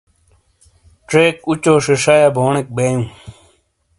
ڇیک اُچو ݜیݜہ یا بونیک بےیو۔